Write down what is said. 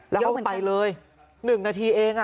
แล้วเขาก็ไปเลย๑นาทีเอง